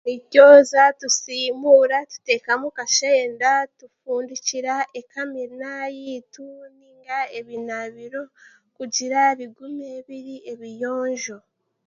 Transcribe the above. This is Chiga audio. Nitwozya tusiimuura, tuteekamu kashenda tufundikira ekamina yaitu nainga ebinaabiro kugira bigume biri ebiyonjo